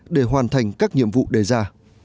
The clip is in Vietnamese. để hoàn thành các nhiệm vụ đề ra